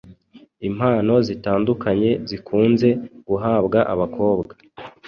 Impano zitandukanye zikunze guhabwa abakobwa